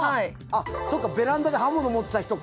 そっかベランダで刃物持ってた人か。